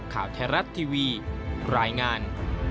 ข่าวไทยรัฐทีวีรายงาน